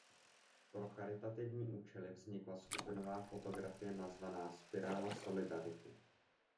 Pro charitativní účely vznikla skupinová fotografie nazvaná "Spirála solidarity".